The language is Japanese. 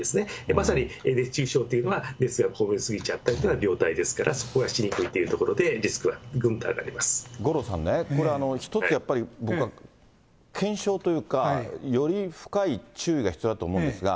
まさに熱中症というのは、熱がこもりすぎちゃったという状態ですから、そこがしにくいということで、五郎さんね、これ、一つやっぱり、僕は検証というか、より深い注意が必要だと思うんですが。